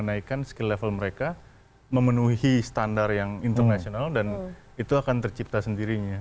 dan itu akan menjadi level mereka memenuhi standar yang internasional dan itu akan tercipta sendirinya